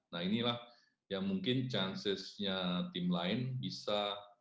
nah inilah yang mungkin chancesnya tim lain bisa